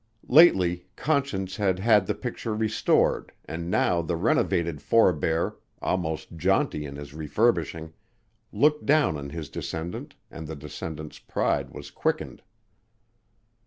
Lately Conscience had had the picture restored and now the renovated forebear, almost jaunty in his refurbishing, looked down on his descendant and the descendant's pride was quickened.